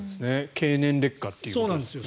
経年劣化ということですよね。